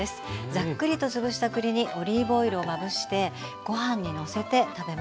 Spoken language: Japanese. ざっくりと潰した栗にオリーブオイルをまぶしてご飯にのせて食べます。